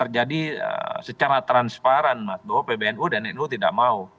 jadi secara transparan bahwa pbnu dan nu tidak mau